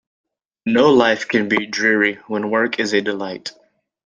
No life can be dreary when work is a delight.